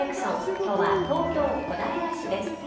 きょうは東京小平市です。